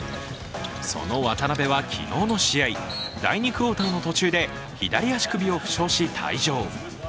その渡邊は昨日の試合、第２クオーターの途中で左足首を負傷し、退場。